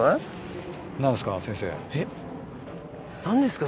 何ですか？